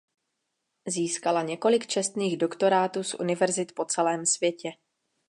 Získala několik čestných doktorátů z univerzit po celém světě.